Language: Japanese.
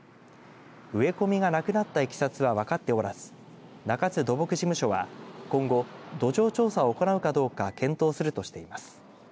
植え込みがなくなったいきさつは分かっておらず中津土木事務所は今後土壌調査を行うかどうか検討するとしています。